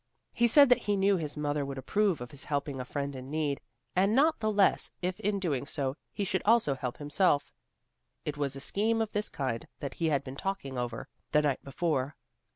He said that he knew his mother would approve of his helping a friend in need, and not the less if in so doing he should also help himself. It was a scheme of this kind that he had been talking over, the night before.